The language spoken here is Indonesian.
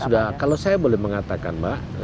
sudah kalau saya boleh mengatakan mbak